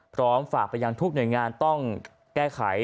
พร้อมฝากไปยังทุกหน่วยงานต้องแก้ไข